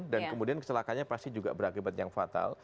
dan kemudian kecelakaannya pasti juga berakibat yang fatal